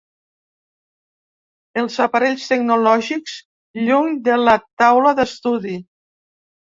Els aparells tecnològics, lluny de la taula d’estudi.